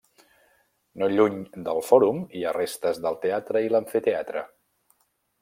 No lluny del fòrum hi ha restes del teatre i l'amfiteatre.